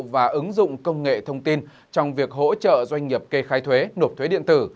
và ứng dụng công nghệ thông tin trong việc hỗ trợ doanh nghiệp kê khai thuế nộp thuế điện tử